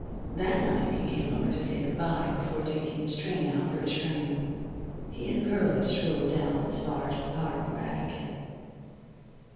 That night he came over to say good bye before taking his train out for Ishpeming. He and Pearlie strolled down as far as the park and back again.